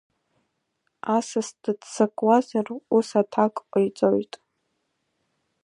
Асас дыццакуазар, ус аҭак ҟаиҵоит…